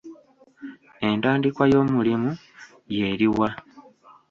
Entandikwa y'omulimu y'eri wa?